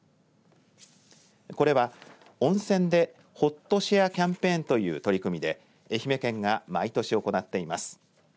これは温泉でほっ！とシェアキャンペーンという取り組みで愛媛県が毎年行っています。